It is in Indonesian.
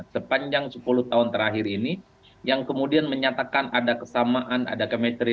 sepanjang sepuluh tahun terakhir ini yang kemudian menyatakan ada kesamaan ada kemetri